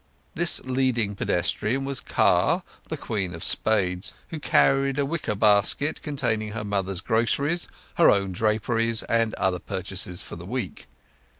This leading pedestrian was Car the Queen of Spades, who carried a wicker basket containing her mother's groceries, her own draperies, and other purchases for the week.